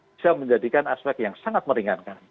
bisa menjadikan aspek yang sangat meringankan